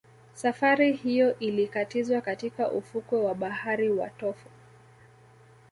Safari hiyo ilikatizwa katika ufukwe wa bahari wa Tofo